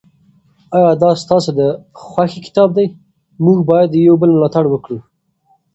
آیا دا ستاسو د خوښې کتاب دی؟ موږ باید د یو بل ملاتړ وکړو.